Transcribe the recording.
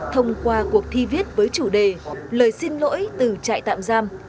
thông qua cuộc thi viết với chủ đề lời xin lỗi từ trại tạm giam